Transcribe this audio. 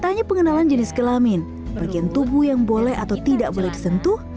tak hanya pengenalan jenis kelamin bagian tubuh yang boleh atau tidak boleh disentuh